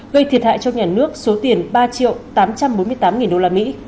gây thiệt hại cho nhà nước số tiền ba triệu tám trăm bốn mươi tám nghìn đô la mỹ